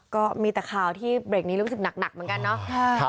ก็มีแต่ข่าวที่เบรกนี้รู้สึกหนักเหมือนกันเนาะ